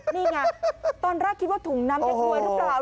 นี่ไงตอนแรกคิดว่าถุงน้ำแก๊กวัวหรือเปล่า